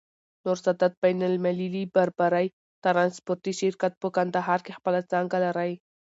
نور سادات بين المللی باربری ترانسپورټي شرکت، په کندهار کي خپله څانګه لری.